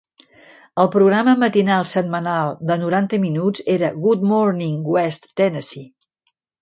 El programa matinal setmanal de noranta minuts era "Good Morning West Tennessee".